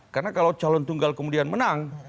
karena kalau calon tunggal kemudian menang